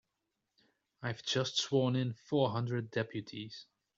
I've just sworn in four hundred deputies.